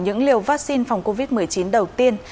những liều vaccine phòng covid một mươi chín đầu tiên